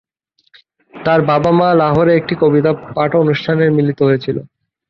তার বাবা-মা লাহোরের একটি কবিতা পাঠ অনুষ্ঠানে মিলিত হয়েছিল।